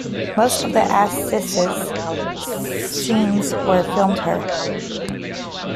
Most of the "Assisi" scenes were filmed here.